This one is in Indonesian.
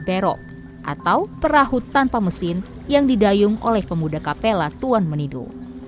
disebut berok atau perahut tanpa mesin yang didayung oleh pemuda kapela tuan menido